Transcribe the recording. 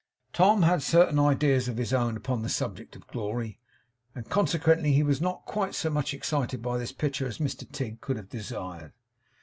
Tom had certain ideas of his own upon the subject of glory; and consequently he was not quite so much excited by this picture as Mr Tigg could have desired.